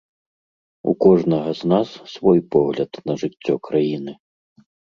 У кожнага з нас свой погляд на жыццё краіны.